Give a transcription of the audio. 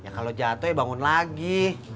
kalau jatuh ya bangun lagi